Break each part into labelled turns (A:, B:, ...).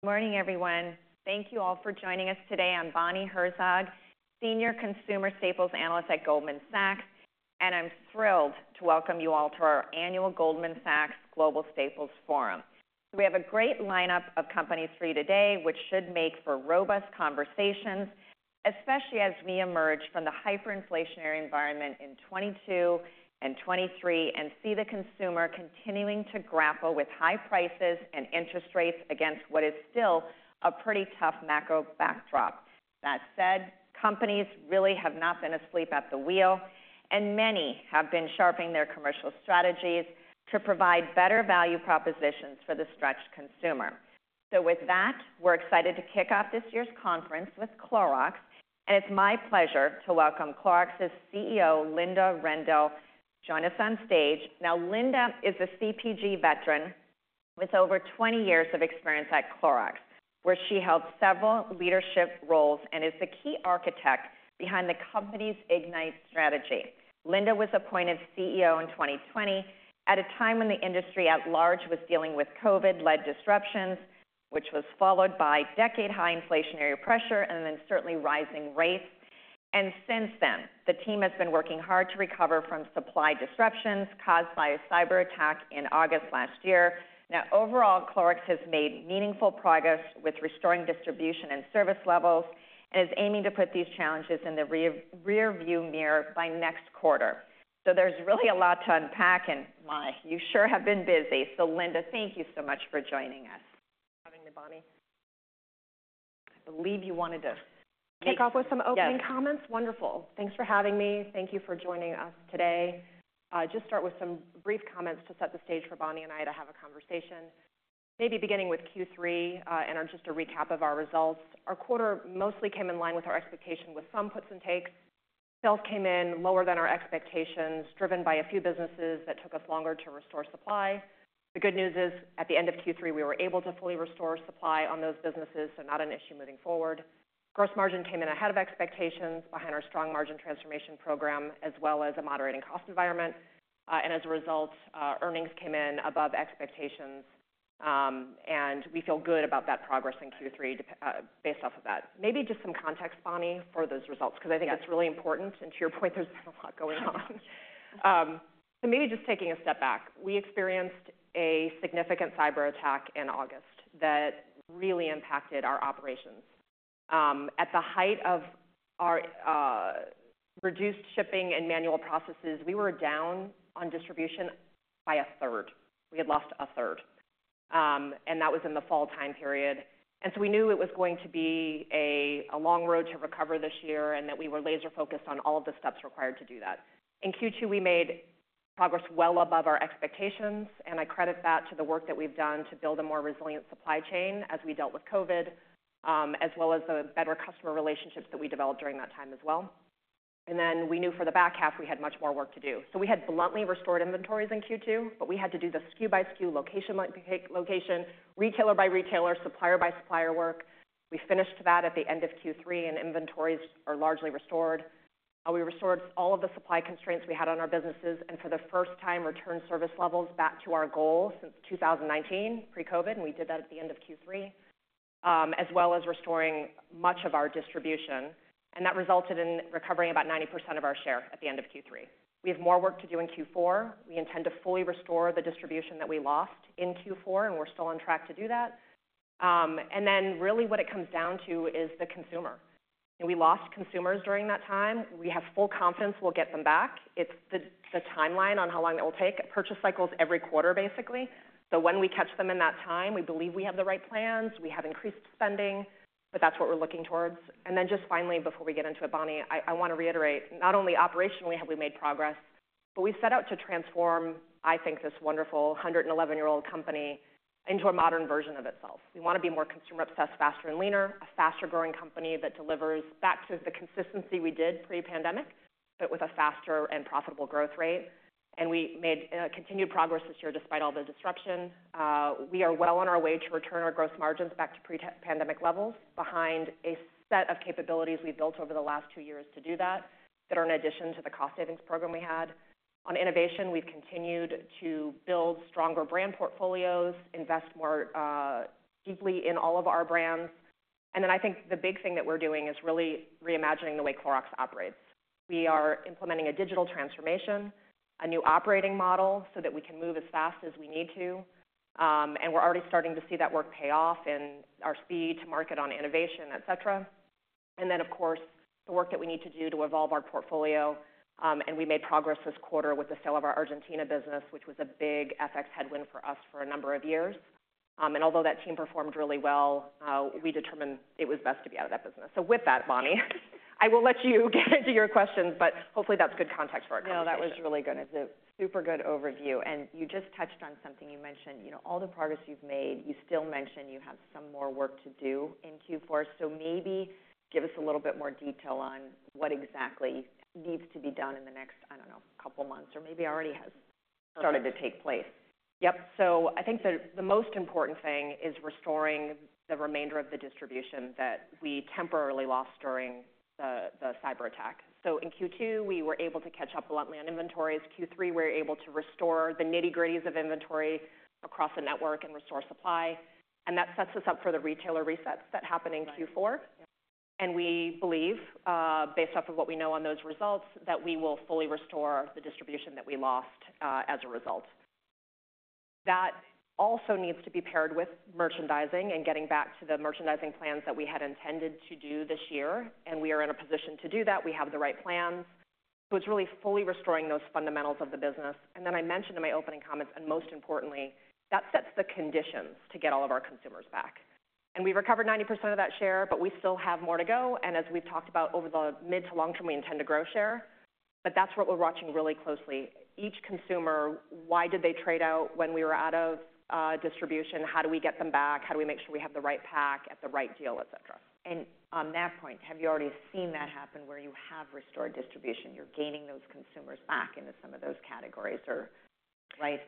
A: Good morning, everyone. Thank you all for joining us today. I'm Bonnie Herzog, Senior Consumer Staples Analyst at Goldman Sachs, and I'm thrilled to welcome you all to our annual Goldman Sachs Global Staples Forum. We have a great lineup of companies for you today, which should make for robust conversations, especially as we emerge from the hyperinflationary environment in 2022 and 2023, and see the consumer continuing to grapple with high prices and interest rates against what is still a pretty tough macro backdrop. That said, companies really have not been asleep at the wheel, and many have been sharpening their commercial strategies to provide better value propositions for the stretched consumer. So with that, we're excited to kick off this year's conference with Clorox, and it's my pleasure to welcome Clorox's CEO, Linda Rendle. Join us on stage. Now, Linda is a CPG veteran with over 20 years of experience at Clorox, where she held several leadership roles and is the key architect behind the company's IGNITE strategy. Linda was appointed CEO in 2020, at a time when the industry at large was dealing with COVID-led disruptions, which was followed by decade-high inflationary pressure and then certainly rising rates. Since then, the team has been working hard to recover from supply disruptions caused by a cyberattack in August last year. Now, overall, Clorox has made meaningful progress with restoring distribution and service levels and is aiming to put these challenges in the rear, rear view mirror by next quarter. So there's really a lot to unpack, and my, you sure have been busy. So Linda, thank you so much for joining us.
B: Thanks for having me, Bonnie. I believe you wanted to-
A: Yes.
B: -kick off with some opening comments? Wonderful. Thanks for having me. Thank you for joining us today. Just start with some brief comments to set the stage for Bonnie and I to have a conversation, maybe beginning with Q3, and on just a recap of our results. Our quarter mostly came in line with our expectations, with some puts and takes. Sales came in lower than our expectations, driven by a few businesses that took us longer to restore supply. The good news is, at the end of Q3, we were able to fully restore supply on those businesses, so not an issue moving forward. Gross margin came in ahead of expectations behind our strong margin transformation program, as well as a moderating cost environment. And as a result, earnings came in above expectations, and we feel good about that progress in Q3, based off of that. Maybe just some context, Bonnie, for those results.
A: Yes.
B: Because I think that's really important, and to your point, there's been a lot going on. So maybe just taking a step back, we experienced a significant cyberattack in August that really impacted our operations. At the height of our reduced shipping and manual processes, we were down on distribution by a third. We had lost a third, and that was in the fall time period. And so we knew it was going to be a long road to recover this year and that we were laser-focused on all of the steps required to do that. In Q2, we made progress well above our expectations, and I credit that to the work that we've done to build a more resilient supply chain as we dealt with COVID, as well as the better customer relationships that we developed during that time as well. Then we knew for the back half, we had much more work to do. We had bluntly restored inventories in Q2, but we had to do the SKU by SKU, location by location, retailer by retailer, supplier by supplier work. We finished that at the end of Q3, and inventories are largely restored. We restored all of the supply constraints we had on our businesses, and for the first time, returned service levels back to our goal since 2019, pre-COVID. We did that at the end of Q3, as well as restoring much of our distribution, and that resulted in recovering about 90% of our share at the end of Q3. We have more work to do in Q4. We intend to fully restore the distribution that we lost in Q4, and we're still on track to do that. And then really what it comes down to is the consumer. We lost consumers during that time. We have full confidence we'll get them back. It's the timeline on how long it will take. Purchase cycles every quarter, basically. So when we catch them in that time, we believe we have the right plans. We have increased spending, but that's what we're looking towards. And then just finally, before we get into it, Bonnie, I want to reiterate, not only operationally have we made progress, but we set out to transform, I think, this wonderful 111-year-old company into a modern version of itself. We want to be more consumer-obsessed, faster and leaner, a faster-growing company that delivers back to the consistency we did pre-pandemic, but with a faster and profitable growth rate. And we made continued progress this year, despite all the disruption. We are well on our way to return our gross margins back to pre-pandemic levels behind a set of capabilities we've built over the last two years to do that, that are in addition to the cost savings program we had. On innovation, we've continued to build stronger brand portfolios, invest more deeply in all of our brands. And then I think the big thing that we're doing is really reimagining the way Clorox operates. We are implementing a digital transformation, a new operating model, so that we can move as fast as we need to. And we're already starting to see that work pay off in our speed to market on innovation, et cetera. And then, of course, the work that we need to do to evolve our portfolio, and we made progress this quarter with the sale of our Argentina business, which was a big FX headwind for us for a number of years. And although that team performed really well, we determined it was best to be out of that business. So with that, Bonnie, I will let you get into your questions, but hopefully, that's good context for our conversation.
A: No, that was really good. It's a super good overview, and you just touched on something. You mentioned, you know, all the progress you've made. You still mentioned you have some more work to do in Q4, so maybe give us a little bit more detail on what exactly needs to be done in the next, I don't know, couple months or maybe already has started to take place.
B: Yep. So I think the most important thing is restoring the remainder of the distribution that we temporarily lost during the cyberattack. So in Q2, we were able to catch up bluntly on inventories. Q3, we were able to restore the nitty-gritties of inventory across the network and restore supply, and that sets us up for the retailer resets that happen in Q4... and we believe, based off of what we know on those results, that we will fully restore the distribution that we lost, as a result. That also needs to be paired with merchandising and getting back to the merchandising plans that we had intended to do this year, and we are in a position to do that. We have the right plans. So it's really fully restoring those fundamentals of the business. And then I mentioned in my opening comments, and most importantly, that sets the conditions to get all of our consumers back. And we've recovered 90% of that share, but we still have more to go, and as we've talked about over the mid to long term, we intend to grow share, but that's what we're watching really closely. Each consumer, why did they trade out when we were out of distribution? How do we get them back? How do we make sure we have the right pack at the right deal, et cetera?
A: On that point, have you already seen that happen where you have restored distribution, you're gaining those consumers back into some of those categories, or…?
B: Right.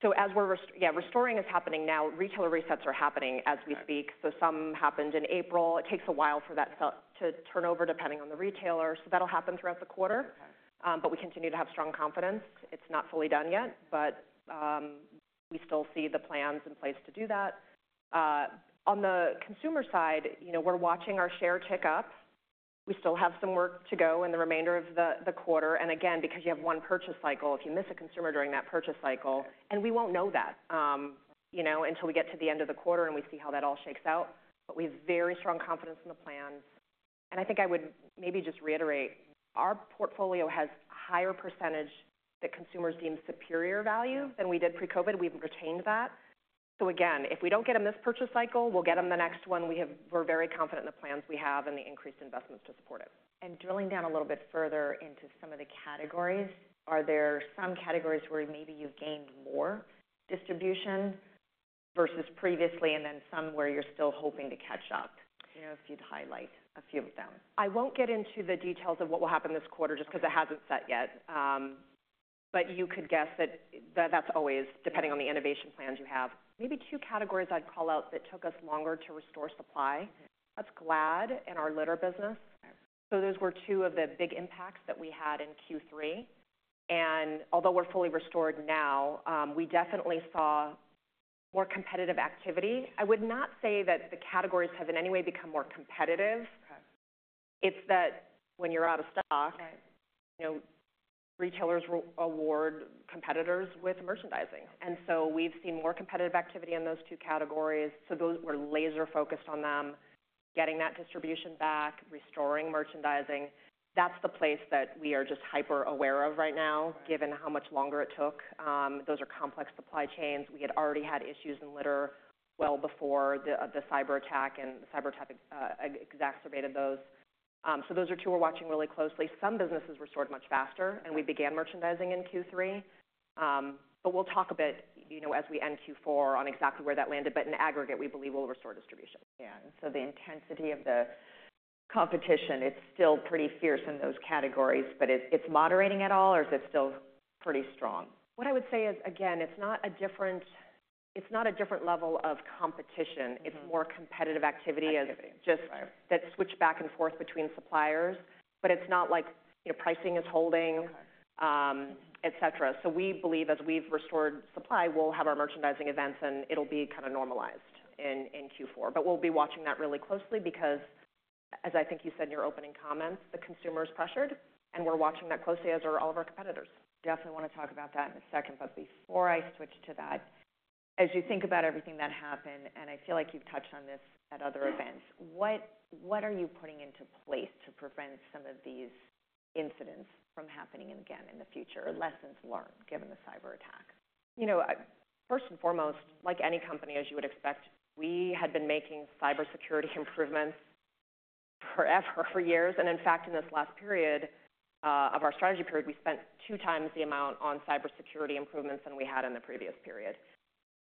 B: So as we're restoring is happening now. Retailer resets are happening as we speak.
A: Okay.
B: So some happened in April. It takes a while for that sell to turn over, depending on the retailer. So that'll happen throughout the quarter.
A: Okay.
B: But we continue to have strong confidence. It's not fully done yet, but we still see the plans in place to do that. On the consumer side, you know, we're watching our share tick up. We still have some work to go in the remainder of the quarter. And again, because you have one purchase cycle, if you miss a consumer during that purchase cycle-
A: Okay.
B: and we won't know that, you know, until we get to the end of the quarter and we see how that all shakes out. But we have very strong confidence in the plans. And I think I would maybe just reiterate, our portfolio has a higher percentage that consumers deem superior value-
A: Yeah.
B: than we did pre-COVID. We've retained that. So again, if we don't get them this purchase cycle, we'll get them the next one. We're very confident in the plans we have and the increased investments to support it.
A: Drilling down a little bit further into some of the categories, are there some categories where maybe you've gained more distribution versus previously, and then some where you're still hoping to catch up? You know, if you'd highlight a few of them.
B: I won't get into the details of what will happen this quarter just because it hasn't set yet. But you could guess that, that's always depending on the innovation plans you have. Maybe two categories I'd call out that took us longer to restore supply-
A: Yeah.
B: that's Glad and our litter business.
A: Okay.
B: So those were two of the big impacts that we had in Q3. Although we're fully restored now, we definitely saw more competitive activity. I would not say that the categories have in any way become more competitive.
A: Okay.
B: It's that when you're out of stock-
A: Right
B: ...you know, retailers will award competitors with merchandising.
A: Okay.
B: And so we've seen more competitive activity in those two categories. So those, we're laser focused on them, getting that distribution back, restoring merchandising. That's the place that we are just hyper-aware of right now, given how much longer it took. Those are complex supply chains. We had already had issues in litter well before the cyberattack, and the cyberattack exacerbated those. So those are two we're watching really closely. Some businesses restored much faster-
A: Okay.
B: we began merchandising in Q3. We'll talk a bit, you know, as we end Q4 on exactly where that landed, but in aggregate, we believe we'll restore distribution.
A: Yeah, so the intensity of the competition, it's still pretty fierce in those categories, but it's moderating at all, or is it still pretty strong?
B: What I would say is, again, it's not a different level of competition-
A: Mm-hmm.
B: -it's more competitive activity-
A: Activity.
B: just that switch back and forth between suppliers, but it's not like... Your pricing is holding-
A: Okay.
B: Et cetera. We believe as we've restored supply, we'll have our merchandising events, and it'll be kind of normalized in Q4. But we'll be watching that really closely because, as I think you said in your opening comments, the consumer is pressured, and we're watching that closely, as are all of our competitors.
A: Definitely want to talk about that in a second, but before I switch to that, as you think about everything that happened, and I feel like you've touched on this at other events-
B: Yeah.
A: What, what are you putting into place to prevent some of these incidents from happening again in the future, or lessons learned given the cyberattack?
B: You know, first and foremost, like any company, as you would expect, we had been making cybersecurity improvements forever, for years. And in fact, in this last period of our strategy period, we spent two times the amount on cybersecurity improvements than we had in the previous period.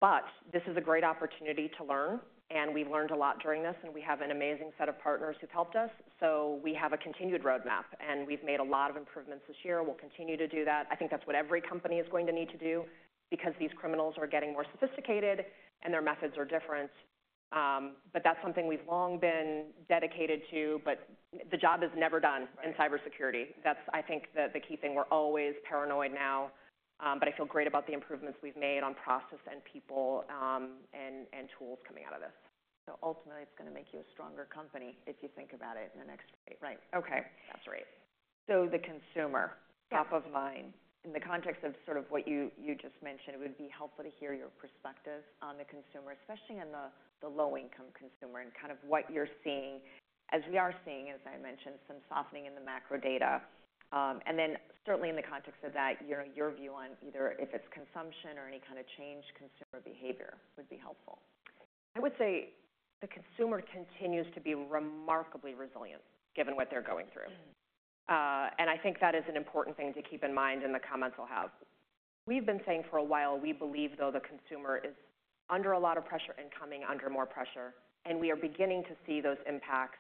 B: But this is a great opportunity to learn, and we learned a lot during this, and we have an amazing set of partners who've helped us. So we have a continued roadmap, and we've made a lot of improvements this year, and we'll continue to do that. I think that's what every company is going to need to do because these criminals are getting more sophisticated, and their methods are different. But that's something we've long been dedicated to, but the job is never done-
A: Right.
B: in cybersecurity. That's, I think, the key thing. We're always paranoid now, but I feel great about the improvements we've made on process and people, and tools coming out of this.
A: Ultimately, it's going to make you a stronger company if you think about it in the next way.
B: Right.
A: Okay.
B: That's right.
A: So the consumer-
B: Yeah...
A: top of mind. In the context of sort of what you just mentioned, it would be helpful to hear your perspective on the consumer, especially on the low-income consumer, and kind of what you're seeing. As we are seeing, as I mentioned, some softening in the macro data, and then certainly in the context of that, your view on either if it's consumption or any kind of change consumer behavior would be helpful.
B: I would say the consumer continues to be remarkably resilient given what they're going through.
A: Mm-hmm.
B: And I think that is an important thing to keep in mind in the comments I'll have. We've been saying for a while, we believe, though, the consumer is under a lot of pressure and coming under more pressure, and we are beginning to see those impacts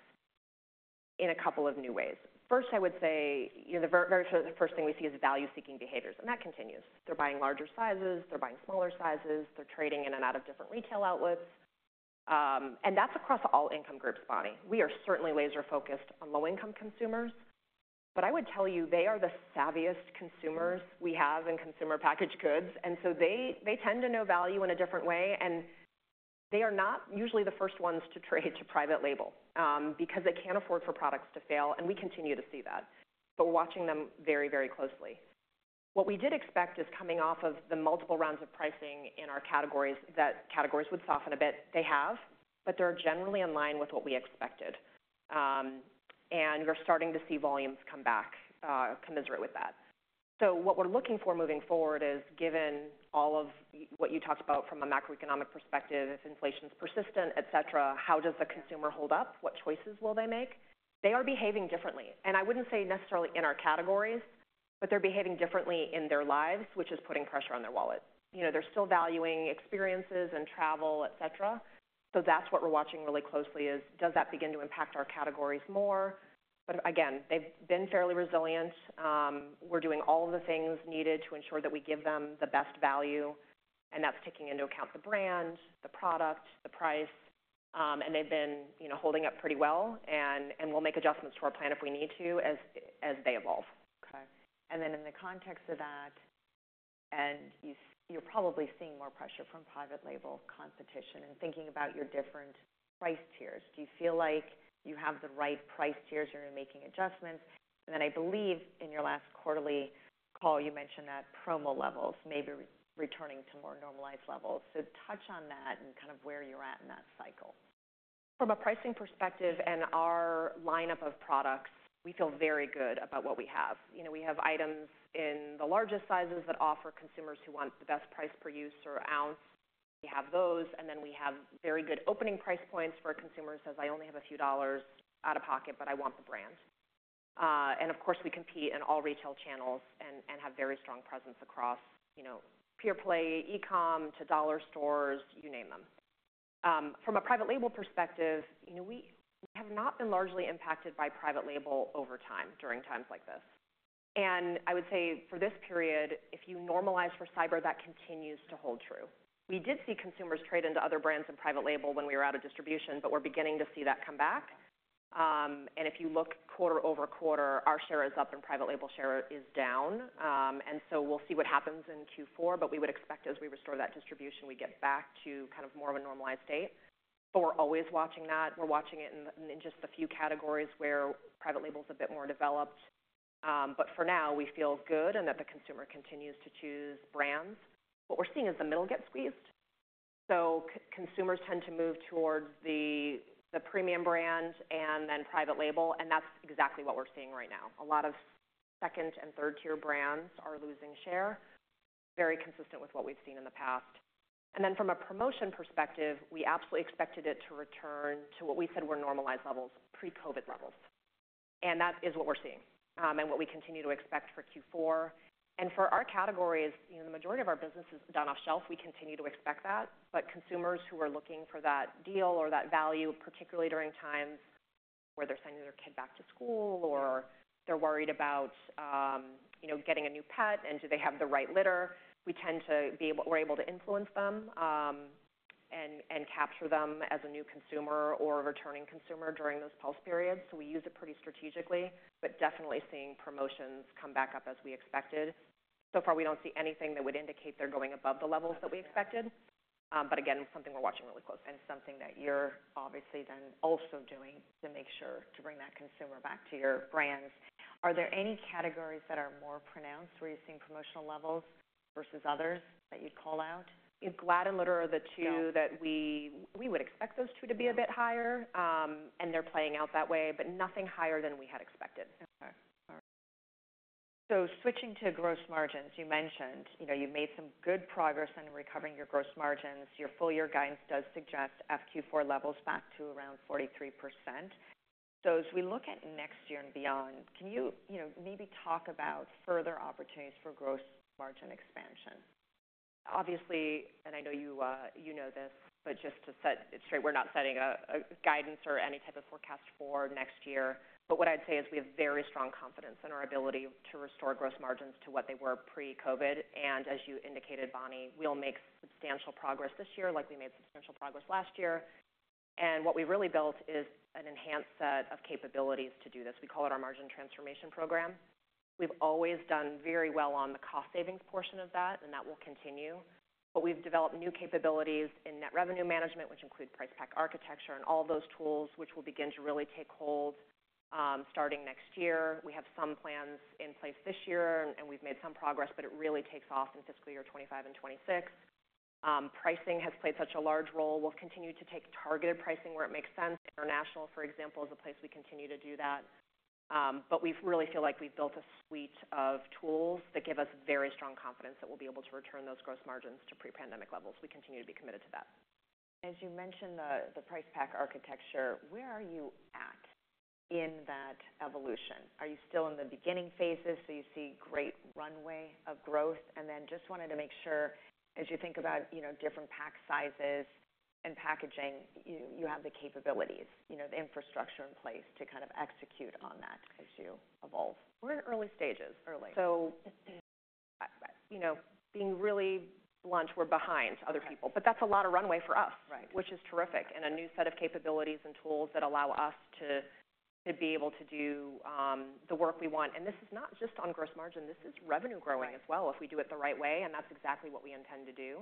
B: in a couple of new ways. First, I would say, you know, the very, very first thing we see is value-seeking behaviors, and that continues. They're buying larger sizes, they're buying smaller sizes, they're trading in and out of different retail outlets. And that's across all income groups, Bonnie. We are certainly laser focused on low-income consumers. But I would tell you, they are the savviest consumers we have in consumer packaged goods, and so they, they tend to know value in a different way, and they are not usually the first ones to trade to private label, because they can't afford for products to fail, and we continue to see that, but watching them very, very closely. What we did expect is coming off of the multiple rounds of pricing in our categories, that categories would soften a bit. They have, but they're generally in line with what we expected. And we're starting to see volumes come back, commensurate with that. So what we're looking for moving forward is, given all of what you talked about from a macroeconomic perspective, if inflation's persistent, et cetera, how does the consumer hold up? What choices will they make? They are behaving differently, and I wouldn't say necessarily in our categories, but they're behaving differently in their lives, which is putting pressure on their wallet. You know, they're still valuing experiences and travel, et cetera, so that's what we're watching really closely is, does that begin to impact our categories more? But again, they've been fairly resilient. We're doing all of the things needed to ensure that we give them the best value, and that's taking into account the brand, the product, the price, and they've been, you know, holding up pretty well, and we'll make adjustments to our plan if we need to, as they evolve.
A: Okay. And then in the context of that, and you, you're probably seeing more pressure from private label competition and thinking about your different price tiers, do you feel like you have the right price tiers, or you're making adjustments? And then, I believe in your last quarterly call, you mentioned that promo levels may be re-returning to more normalized levels. So touch on that and kind of where you're at in that cycle.
B: From a pricing perspective and our lineup of products, we feel very good about what we have. You know, we have items in the largest sizes that offer consumers who want the best price per use or ounce. We have those, and then we have very good opening price points for a consumer who says, "I only have a few dollars out of pocket, but I want the brand." And of course, we compete in all retail channels and have very strong presence across, you know, pure play, e-com to dollar stores, you name them. From a private label perspective, you know, we have not been largely impacted by private label over time, during times like this. I would say for this period, if you normalize for cyber, that continues to hold true. We did see consumers trade into other brands in private label when we were out of distribution, but we're beginning to see that come back. And if you look quarter-over-quarter, our share is up and private label share is down. And so we'll see what happens in Q4, but we would expect as we restore that distribution, we get back to kind of more of a normalized state. But we're always watching that. We're watching it in just a few categories where private label is a bit more developed. But for now, we feel good and that the consumer continues to choose brands. What we're seeing is the middle get squeezed, so consumers tend to move towards the premium brands and then private label, and that's exactly what we're seeing right now. A lot of second- and third-tier brands are losing share, very consistent with what we've seen in the past. And then from a promotion perspective, we absolutely expected it to return to what we said were normalized levels, pre-COVID levels. And that is what we're seeing, and what we continue to expect for Q4. And for our categories, you know, the majority of our business is done off shelf. We continue to expect that. But consumers who are looking for that deal or that value, particularly during times where they're sending their kid back to school or they're worried about, you know, getting a new pet and do they have the right litter, we tend to be-- we're able to influence them, and capture them as a new consumer or a returning consumer during those pulse periods. So we use it pretty strategically, but definitely seeing promotions come back up as we expected. So far, we don't see anything that would indicate they're going above the levels that we expected, but again, something we're watching really closely.
A: Something that you're obviously then also doing to make sure to bring that consumer back to your brands. Are there any categories that are more pronounced where you're seeing promotional levels versus others that you'd call out?
B: Glad and Litter are the two-
A: Yeah.
B: We would expect those two to be a bit higher, and they're playing out that way, but nothing higher than we had expected.
A: Okay. All right. So switching to gross margins, you mentioned, you know, you've made some good progress on recovering your gross margins. Your full year guidance does suggest FQ4 levels back to around 43%. So as we look at next year and beyond, can you, you know, maybe talk about further opportunities for gross margin expansion?
B: Obviously, and I know you know this, but just to set it straight, we're not setting a guidance or any type of forecast for next year. But what I'd say is we have very strong confidence in our ability to restore gross margins to what they were pre-COVID. And as you indicated, Bonnie, we'll make substantial progress this year, like we made substantial progress last year. And what we really built is an enhanced set of capabilities to do this. We call it our Margin Transformation Program. We've always done very well on the cost savings portion of that, and that will continue. But we've developed new capabilities in net revenue management, which include price pack architecture and all those tools, which will begin to really take hold starting next year. We have some plans in place this year, and we've made some progress, but it really takes off in fiscal year 2025 and 2026. Pricing has played such a large role. We'll continue to take targeted pricing where it makes sense. International, for example, is a place we continue to do that. But we've really feel like we've built a suite of tools that give us very strong confidence that we'll be able to return those gross margins to pre-pandemic levels. We continue to be committed to that.
A: As you mentioned, the price pack architecture, where are you at in that evolution? Are you still in the beginning phases, so you see great runway of growth? And then just wanted to make sure, as you think about, you know, different pack sizes and packaging, you have the capabilities, you know, the infrastructure in place to kind of execute on that as you evolve.
B: We're in early stages.
A: Early. So-...
B: you know, being really blunt, we're behind other people.
A: Okay.
B: That's a lot of runway for us-
A: Right.
B: -which is terrific, and a new set of capabilities and tools that allow us to, to be able to do, the work we want. And this is not just on gross margin, this is revenue growing-
A: Right.
B: As well, if we do it the right way, and that's exactly what we intend to do.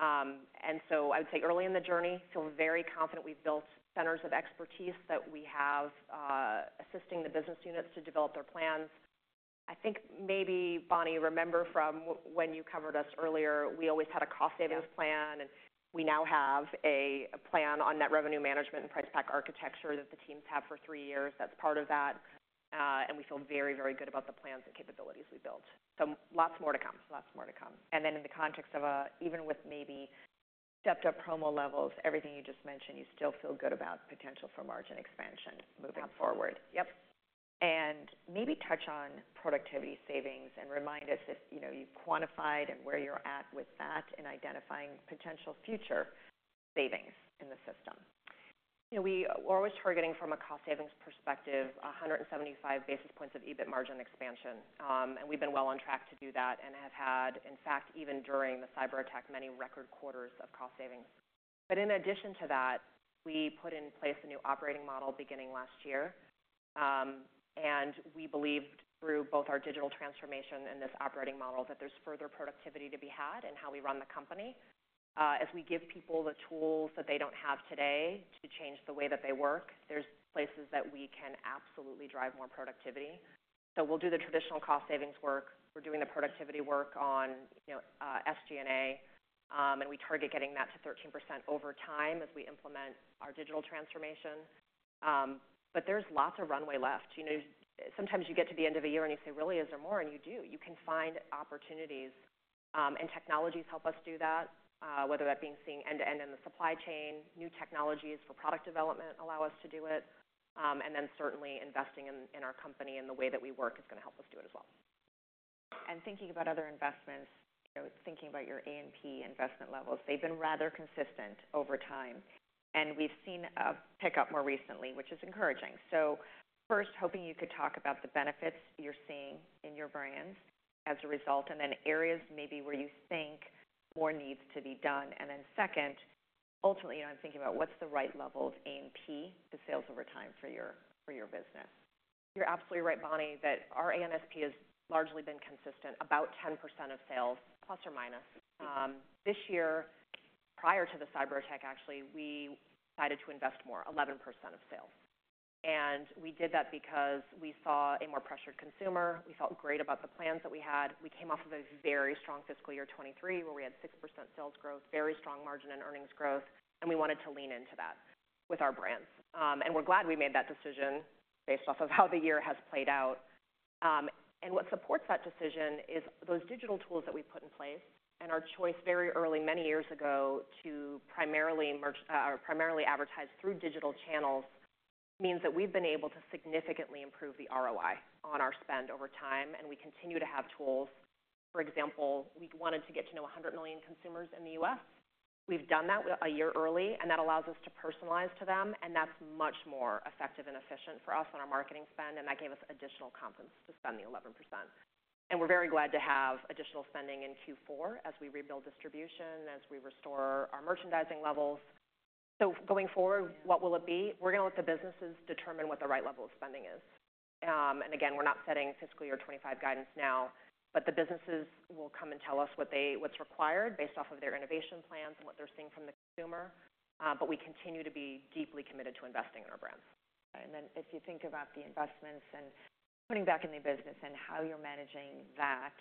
B: And so I would say early in the journey, feel very confident we've built centers of expertise that we have assisting the business units to develop their plans. I think maybe, Bonnie, remember from when you covered us earlier, we always had a cost savings plan.
A: Yeah.
B: We now have a plan on Net Revenue Management and Price Pack Architecture that the teams have for three years. That's part of that, and we feel very, very good about the plans and capabilities we built. Lots more to come.
A: Lots more to come. And then in the context of, even with maybe stepped-up promo levels, everything you just mentioned, you still feel good about potential for margin expansion moving forward?
B: Yep.
A: Maybe touch on productivity savings and remind us if, you know, you've quantified and where you're at with that in identifying potential future savings in the system.
B: You know, we're always targeting from a cost savings perspective, 175 basis points of EBIT margin expansion, and we've been well on track to do that and have had, in fact, even during the cyberattack, many record quarters of cost savings. But in addition to that, we put in place a new operating model beginning last year, and we believed through both our digital transformation and this operating model, that there's further productivity to be had in how we run the company. As we give people the tools that they don't have today to change the way that they work, there's places that we can absolutely drive more productivity. So we'll do the traditional cost savings work. We're doing the productivity work on, you know, SG&A, and we target getting that to 13% over time as we implement our digital transformation. But there's lots of runway left. You know, sometimes you get to the end of the year, and you say, "Really, is there more?" And you do. You can find opportunities, and technologies help us do that, whether that being seeing end-to-end in the supply chain, new technologies for product development allow us to do it, and then certainly investing in, in our company and the way that we work is going to help us do it as well.
A: Thinking about other investments, you know, thinking about your A&P investment levels, they've been rather consistent over time, and we've seen a pickup more recently, which is encouraging. First, hoping you could talk about the benefits you're seeing in your brands as a result, and then areas maybe where you think more needs to be done. Then second, ultimately, I'm thinking about what's the right level of A&P to sales over time for your, for your business?
B: You're absolutely right, Bonnie, that our A&P has largely been consistent, about 10% of sales ±. This year, prior to the cyberattack, actually, we decided to invest more, 11% of sales. And we did that because we saw a more pressured consumer. We felt great about the plans that we had. We came off of a very strong fiscal year 2023, where we had 6% sales growth, very strong margin and earnings growth, and we wanted to lean into that with our brands. And we're glad we made that decision based off of how the year has played out. And what supports that decision is those digital tools that we put in place and our choice very early, many years ago, to primarily merch. or primarily advertise through digital channels, means that we've been able to significantly improve the ROI on our spend over time, and we continue to have tools. For example, we wanted to get to know 100 million consumers in the U.S. We've done that a year early, and that allows us to personalize to them, and that's much more effective and efficient for us on our marketing spend, and that gave us additional confidence to spend the 11%. And we're very glad to have additional spending in Q4 as we rebuild distribution, as we restore our merchandising levels. So going forward, what will it be? We're going to let the businesses determine what the right level of spending is. And again, we're not setting fiscal year 25 guidance now, but the businesses will come and tell us what's required based off of their innovation plans and what they're seeing from the consumer. But we continue to be deeply committed to investing in our brands.
A: And then if you think about the investments and putting back in the business and how you're managing that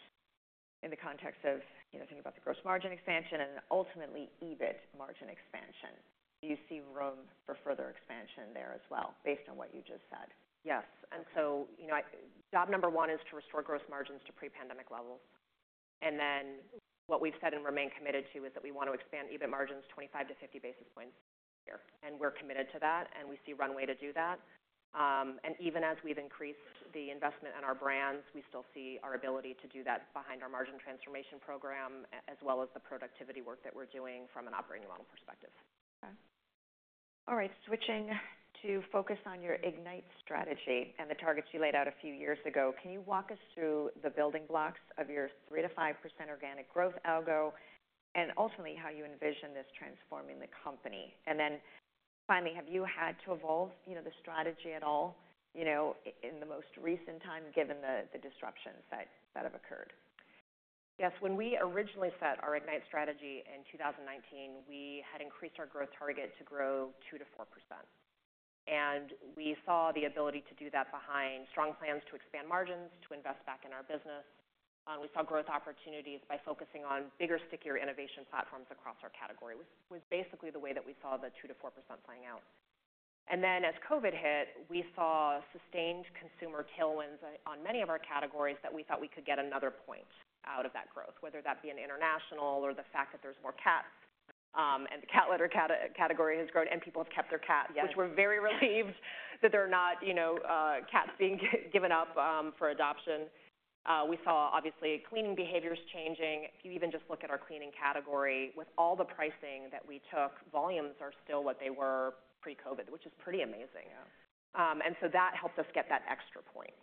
A: in the context of, you know, thinking about the gross margin expansion and ultimately EBIT margin expansion, do you see room for further expansion there as well, based on what you just said?
B: Yes. And so, you know, job number one is to restore gross margins to pre-pandemic levels. And then what we've said and remain committed to, is that we want to expand EBIT margins 25-50 basis points a year. And we're committed to that, and we see runway to do that. And even as we've increased the investment in our brands, we still see our ability to do that behind our margin transformation program, as well as the productivity work that we're doing from an operating model perspective.
A: Okay. All right, switching to focus on your IGNITE strategy and the targets you laid out a few years ago, can you walk us through the building blocks of your 3%-5% organic growth algo, and ultimately, how you envision this transforming the company? And then finally, have you had to evolve, you know, the strategy at all, you know, in the most recent time, given the disruptions that have occurred?
B: Yes. When we originally set our IGNITE strategy in 2019, we had increased our growth target to grow 2%-4%. We saw the ability to do that behind strong plans to expand margins, to invest back in our business. We saw growth opportunities by focusing on bigger, stickier innovation platforms across our category. Was basically the way that we saw the 2%-4% playing out. And then as COVID hit, we saw sustained consumer tailwinds on many of our categories that we thought we could get another point out of that growth, whether that be in international or the fact that there's more cats, and the cat litter category has grown and people have kept their cats.
A: Yeah.
B: Which we're very relieved that they're not, you know, cats being given up for adoption. We saw obviously, cleaning behaviors changing. If you even just look at our cleaning category, with all the pricing that we took, volumes are still what they were pre-COVID, which is pretty amazing.
A: Yeah.
B: And so that helped us get that extra point.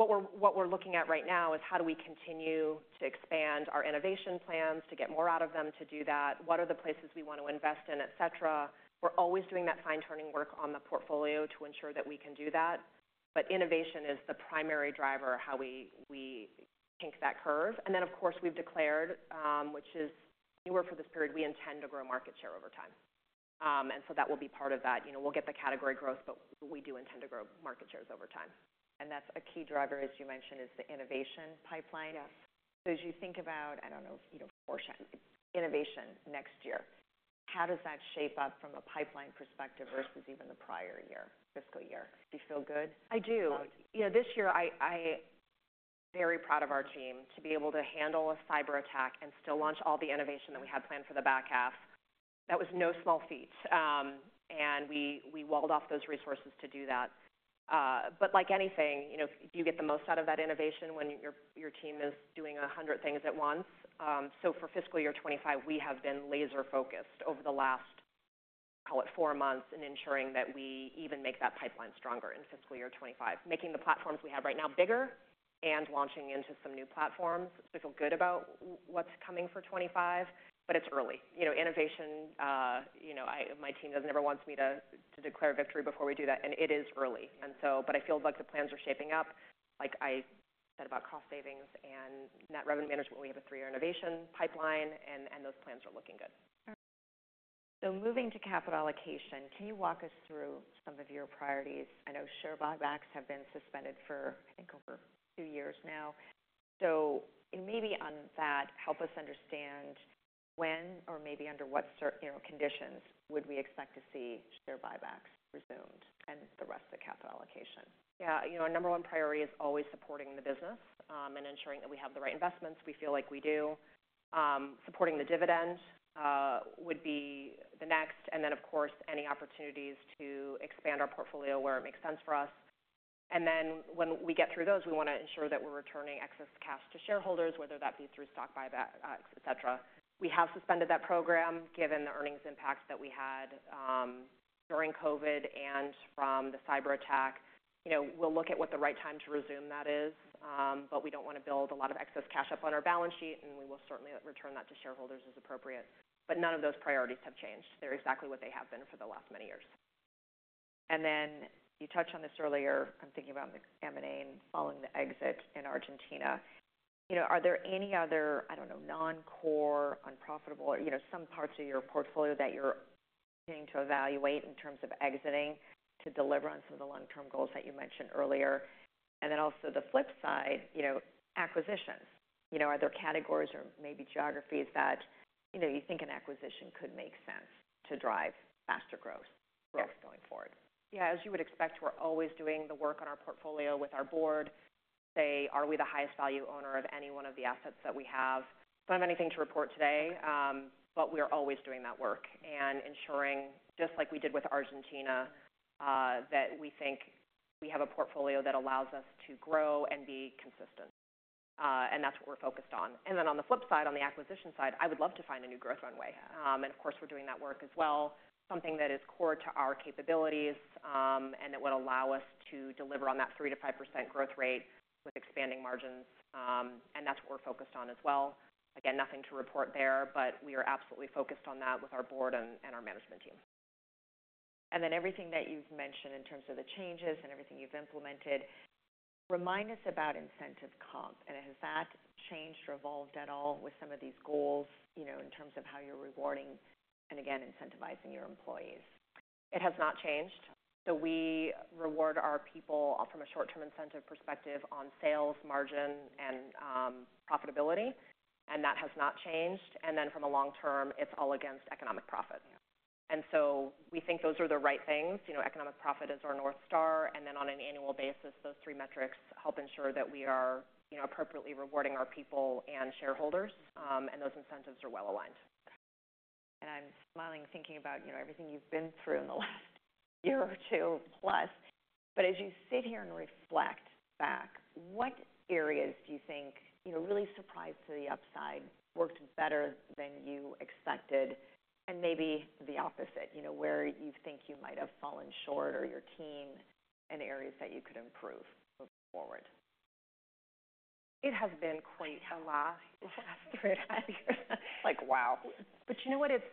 B: What we're looking at right now is how do we continue to expand our innovation plans to get more out of them to do that? What are the places we want to invest in, et cetera? We're always doing that fine-tuning work on the portfolio to ensure that we can do that. But innovation is the primary driver, how we take that curve. And then, of course, we've declared, which is newer for this period, we intend to grow market share over time. And so that will be part of that. You know, we'll get the category growth, but we do intend to grow market shares over time.
A: That's a key driver, as you mentioned, is the innovation pipeline.
B: Yes.
A: As you think about, I don't know, you know, portion innovation next year, how does that shape up from a pipeline perspective versus even the prior year, fiscal year? Do you feel good?
B: I do. Yeah, this year, I very proud of our team to be able to handle a cyberattack and still launch all the innovation that we had planned for the back half. That was no small feat, and we walled off those resources to do that. But like anything, you know, do you get the most out of that innovation when your team is doing 100 things at once? So for fiscal year 2025, we have been laser-focused over the last, call it 4 months, in ensuring that we even make that pipeline stronger in fiscal year 2025, making the platforms we have right now bigger and launching into some new platforms. So I feel good about what's coming for 2025, but it's early. You know, innovation, you know, I my team never wants me to declare victory before we do that, and it is early. And so, but I feel like the plans are shaping up. Like I said, about cost savings and net revenue management, we have a three-year innovation pipeline, and those plans are looking good.
A: So moving to capital allocation, can you walk us through some of your priorities? I know share buybacks have been suspended for, I think, over two years now. So maybe on that, help us understand when or maybe under what circumstances, you know, conditions would we expect to see share buybacks resumed and the rest of the capital allocation?
B: Yeah, you know, our number one priority is always supporting the business, and ensuring that we have the right investments. We feel like we do. Supporting the dividend would be the next, and then, of course, any opportunities to expand our portfolio where it makes sense for us. And then when we get through those, we want to ensure that we're returning excess cash to shareholders, whether that be through stock buyback, et cetera. We have suspended that program, given the earnings impacts that we had, during COVID and from the cyberattack. You know, we'll look at what the right time to resume that is, but we don't want to build a lot of excess cash up on our balance sheet, and we will certainly return that to shareholders as appropriate. But none of those priorities have changed. They're exactly what they have been for the last many years.
A: And then you touched on this earlier. I'm thinking about the M&A and following the exit in Argentina. You know, are there any other, I don't know, non-core, unprofitable, or you know, some parts of your portfolio that you're continuing to evaluate in terms of exiting to deliver on some of the long-term goals that you mentioned earlier? And then also the flip side, you know, acquisitions. You know, are there categories or maybe geographies that, you know, you think an acquisition could make sense to drive faster growth-
B: Yes...
A: going forward?
B: Yeah, as you would expect, we're always doing the work on our portfolio with our board to say, are we the highest value owner of any one of the assets that we have? Don't have anything to report today, but we are always doing that work and ensuring, just like we did with Argentina, that we think we have a portfolio that allows us to grow and be consistent, and that's what we're focused on. And then on the flip side, on the acquisition side, I would love to find a new growth runway. And of course, we're doing that work as well, something that is core to our capabilities, and that would allow us to deliver on that 3%-5% growth rate with expanding margins, and that's what we're focused on as well. Again, nothing to report there, but we are absolutely focused on that with our board and our management team.
A: And then everything that you've mentioned in terms of the changes and everything you've implemented, remind us about incentive comp, and has that changed or evolved at all with some of these goals, you know, in terms of how you're rewarding and again, incentivizing your employees?
B: It has not changed. We reward our people from a short-term incentive perspective on sales, margin, and profitability, and that has not changed. Then from a long term, it's all against economic profit.
A: Yeah.
B: So we think those are the right things. You know, economic profit is our North Star, and then on an annual basis, those three metrics help ensure that we are, you know, appropriately rewarding our people and shareholders, and those incentives are well aligned.
A: I'm smiling, thinking about, you know, everything you've been through in the last year or two plus. But as you sit here and reflect back, what areas do you think, you know, really surprised to the upside, worked better than you expected, and maybe the opposite, you know, where you think you might have fallen short or your team and areas that you could improve moving forward?
B: It has been quite a lot the last three and a half years. Like, wow. But you know what? It's,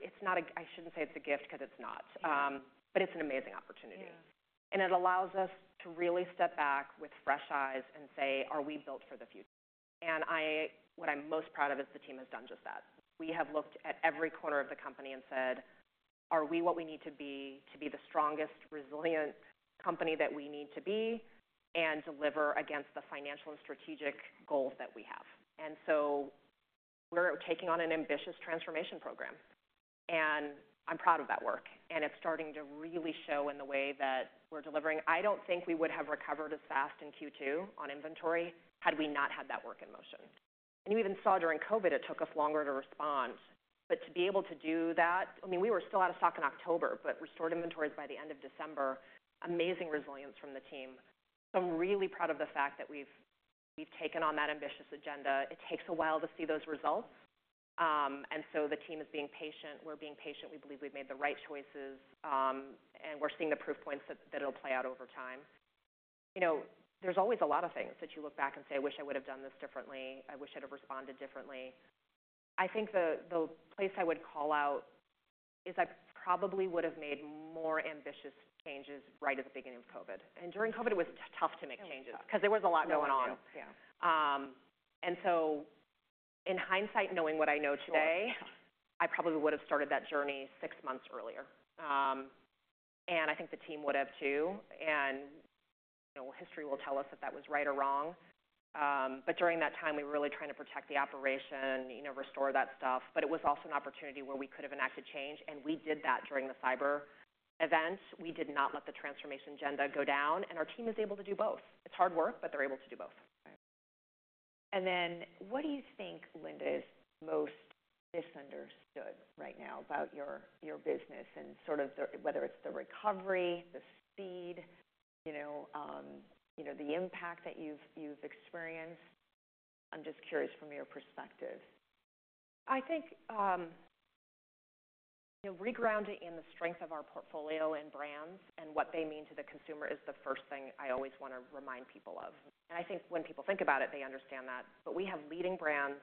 B: it's not a—I shouldn't say it's a gift because it's not, but it's an amazing opportunity.
A: Yeah.
B: It allows us to really step back with fresh eyes and say: Are we built for the future? And what I'm most proud of is the team has done just that. We have looked at every corner of the company and said: Are we what we need to be to be the strongest, resilient company that we need to be and deliver against the financial and strategic goals that we have? And so we're taking on an ambitious transformation program, and I'm proud of that work, and it's starting to really show in the way that we're delivering. I don't think we would have recovered as fast in Q2 on inventory had we not had that work in motion. And you even saw during COVID, it took us longer to respond. But to be able to do that, I mean, we were still out of stock in October, but restored inventories by the end of December. Amazing resilience from the team. So I'm really proud of the fact that we've taken on that ambitious agenda. It takes a while to see those results, and so the team is being patient. We're being patient. We believe we've made the right choices, and we're seeing the proof points that it'll play out over time. You know, there's always a lot of things that you look back and say: I wish I would have done this differently. I wish I'd have responded differently. I think the place I would call out is I probably would have made more ambitious changes right at the beginning of COVID. And during COVID, it was tough to make changes-
A: It was tough.
B: -because there was a lot going on.
A: Yeah.
B: In hindsight, knowing what I know today-
A: Sure.
B: I probably would have started that journey six months earlier. I think the team would have, too. You know, history will tell us if that was right or wrong, but during that time, we were really trying to protect the operation, you know, restore that stuff. But it was also an opportunity where we could have enacted change, and we did that during the cyber events. We did not let the transformation agenda go down, and our team is able to do both. It's hard work, but they're able to do both.
A: Right. And then what do you think, Linda, is most misunderstood right now about your, your business and sort of the, whether it's the recovery, the speed, you know, you know, the impact that you've, you've experienced? I'm just curious from your perspective.
B: I think, you know, regrounding in the strength of our portfolio and brands and what they mean to the consumer is the first thing I always want to remind people of. And I think when people think about it, they understand that. But we have leading brands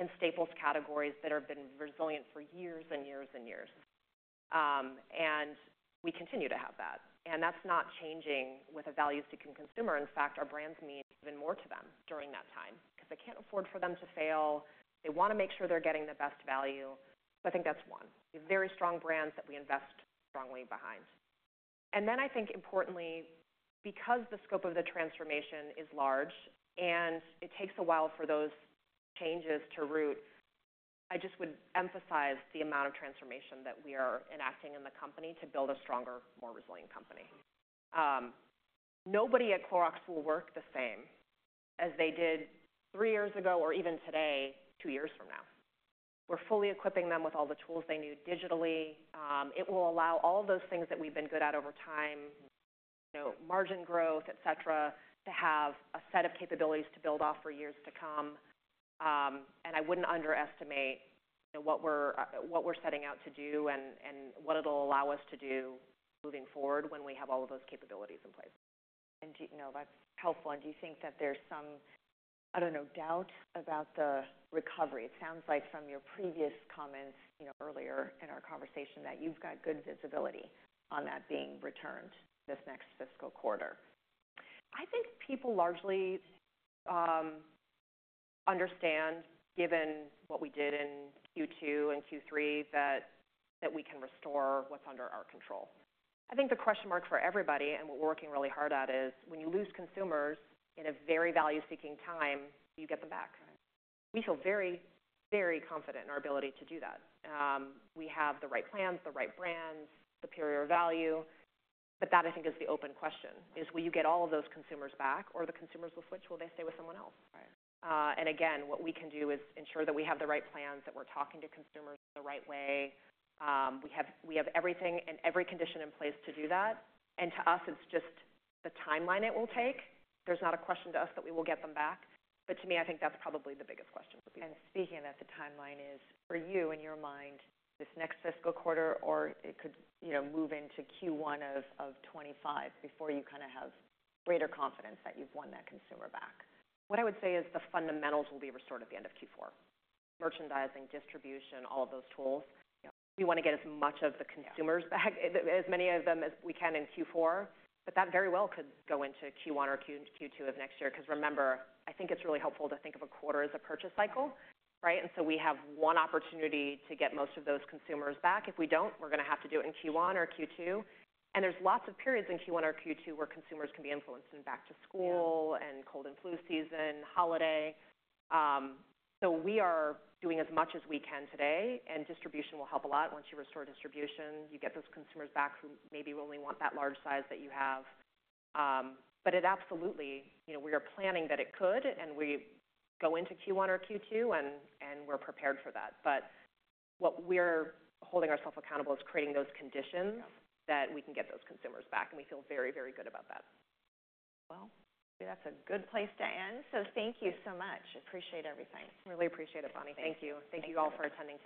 B: in staples categories that have been resilient for years and years and years. And we continue to have that, and that's not changing with a value-seeking consumer. In fact, our brands mean even more to them during that time, because they can't afford for them to fail. They want to make sure they're getting the best value. So I think that's one, these very strong brands that we invest strongly behind. And then I think importantly, because the scope of the transformation is large and it takes a while for those changes to root, I just would emphasize the amount of transformation that we are enacting in the company to build a stronger, more resilient company. Nobody at Clorox will work the same as they did three years ago, or even today, two years from now. We're fully equipping them with all the tools they need digitally. It will allow all of those things that we've been good at over time, you know, margin growth, et cetera, to have a set of capabilities to build off for years to come. And I wouldn't underestimate, you know, what we're setting out to do and what it'll allow us to do moving forward when we have all of those capabilities in place.
A: Do you know, that's helpful. Do you think that there's some, I don't know, doubt about the recovery? It sounds like from your previous comments, you know, earlier in our conversation, that you've got good visibility on that being returned this next fiscal quarter.
B: I think people largely understand, given what we did in Q2 and Q3, that, that we can restore what's under our control. I think the question mark for everybody, and what we're working really hard at, is when you lose consumers in a very value-seeking time, you get them back.
A: Right.
B: We feel very, very confident in our ability to do that. We have the right plans, the right brands, superior value, but that, I think, is the open question, is will you get all of those consumers back, or the consumers will switch, will they stay with someone else?
A: Right.
B: And again, what we can do is ensure that we have the right plans, that we're talking to consumers the right way. We have, we have everything and every condition in place to do that, and to us, it's just the timeline it will take. There's not a question to us that we will get them back, but to me, I think that's probably the biggest question for me.
A: Speaking of that, the timeline is, for you, in your mind, this next fiscal quarter, or it could, you know, move into Q1 of 2025 before you kind of have greater confidence that you've won that consumer back?
B: What I would say is the fundamentals will be restored at the end of Q4: merchandising, distribution, all of those tools.
A: Yeah.
B: We want to get as much of the consumers-
A: Yeah.
B: -back, as many of them as we can in Q4, but that very well could go into Q1 or Q2 of next year. Because remember, I think it's really helpful to think of a quarter as a purchase cycle.
A: Yeah.
B: Right? And so we have one opportunity to get most of those consumers back. If we don't, we're gonna have to do it in Q1 or Q2, and there's lots of periods in Q1 or Q2 where consumers can be influenced in back to school-
A: Yeah.
B: and cold and flu season, holiday. So we are doing as much as we can today, and distribution will help a lot. Once you restore distribution, you get those consumers back who maybe only want that large size that you have. But it absolutely, you know, we are planning that it could, and we go into Q1 or Q2, and we're prepared for that. But what we're holding ourselves accountable is creating those conditions-
A: Yeah.
B: that we can get those consumers back, and we feel very, very good about that.
A: Well, that's a good place to end. So thank you so much. Appreciate everything.
B: Really appreciate it, Bonnie. Thank you.
A: Thank you.
B: Thank you all for attending today.